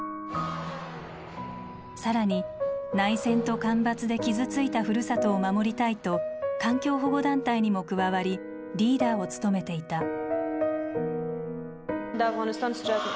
更に内戦と干ばつで傷ついたふるさとを守りたいと環境保護団体にも加わりリーダーを務めていた。